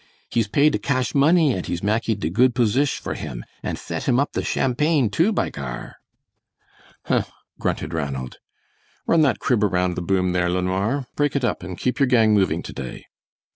He's pay de cash money and he's mak eet de good posish for him, an' set him up the champagne, too, by gar!" "Huh," grunted Ranald. "Run that crib around the boom there LeNoir; break it up and keep your gang moving to day!"